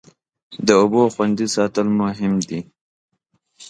د اوبو خوندي ساتل مهم دی.